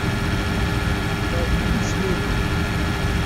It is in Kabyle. Tɛebded imsemmuden.